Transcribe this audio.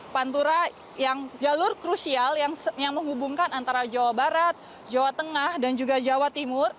pantura yang jalur krusial yang menghubungkan antara jawa barat jawa tengah dan juga jawa timur